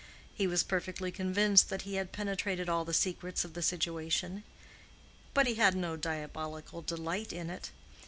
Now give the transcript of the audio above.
He was perfectly convinced that he had penetrated all the secrets of the situation; but he had no diabolical delight in it.